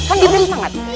kan gini semangat